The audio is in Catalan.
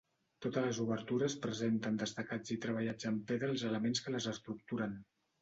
Totes les obertures presenten destacats i treballats amb pedra els elements que les estructuren.